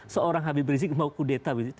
seorang habib rizieq mau kudeta begitu